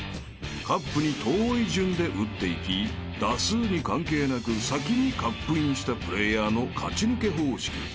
［カップに遠い順で打っていき打数に関係なく先にカップインしたプレーヤーの勝ち抜け方式］